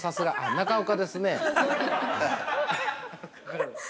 中岡ですね。